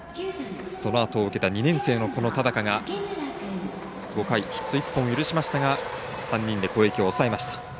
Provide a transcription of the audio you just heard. そのあとを受けた２年生の田高が５回、ヒット１本許しましたが３人で攻撃を抑えました。